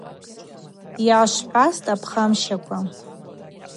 Йгӏашвхӏвастӏ, ампхащаква.